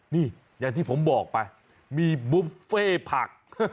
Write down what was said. นี่อย่างที่ผมบอกไปมีบุฟเฟ่ผัก